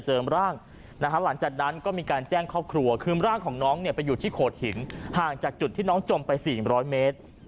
ร่างนะฮะหลังจากนั้นก็มีการแจ้งครอบครัวคือร่างของน้องไปอยู่ที่โขดหินห่างจากจุดที่น้องจมไป๔๐๐เมตร